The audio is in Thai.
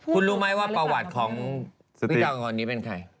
คุณรู้ไหมว่าประวัติของพี่จอมคนนี้เป็นใคร